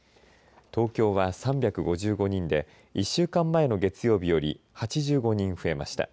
東京は３５５人で１週間前の月曜日より８５人増えました。